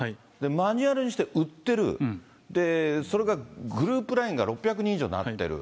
マニュアルにして売ってる、それがグループＬＩＮＥが６００人以上になってる。